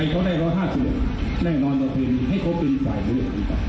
ให้เขาเป็นฝ่ายด้วย